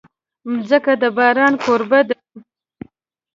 مځکه د باران کوربه ده.